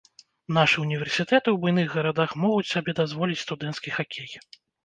Нашы ўніверсітэты ў буйных гарадах могуць сабе дазволіць студэнцкі хакей.